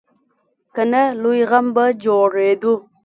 که نه، لوی غم به جوړېدو.